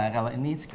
kalau ini skor